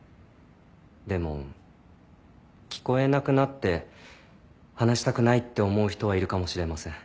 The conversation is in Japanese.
でも聞こえなくなって話したくないって思う人はいるかもしれません。